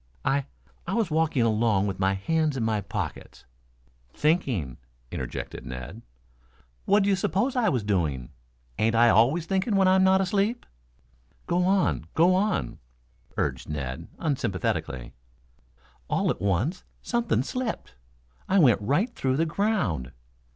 "I I was walking along with my hands in my pockets " "Thinking," interjected Ned. "What'd you suppose I was doing! Ain't I always thinking when I'm not asleep?" "Go on, go on," urged Ned unsympathetically. "All at once something slipped. I went right through the ground.